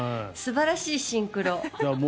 素晴らしいシンクロ。